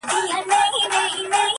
چې ته خاندې، پسرلی راشي